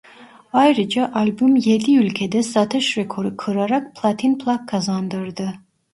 Ayrıca albüm yedi ülkede satış rekoru kırarak Platin Plak kazandırdı.